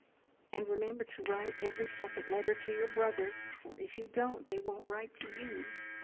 "And remember to write every second letter to your brothers, for if you don't, they won't write to you.